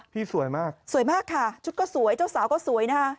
สวยมากสวยมากค่ะชุดก็สวยเจ้าสาวก็สวยนะคะ